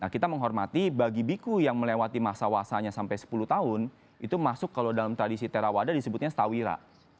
kita menghormati bagi biku yang melewati masa wasanya sampai sepuluh tahun itu masuk kalau dalam tradisi terawadah disebutnya stawira